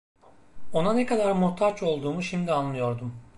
Ona ne kadar muhtaç olduğumu şimdi anlıyordum.